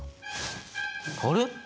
あれ？